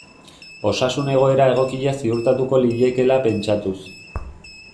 Osasun egoera egokia ziurtatuko liekeela pentsatuz.